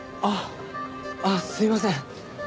あっああすいません。